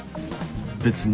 別に。